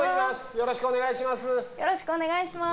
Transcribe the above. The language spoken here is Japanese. よろしくお願いします。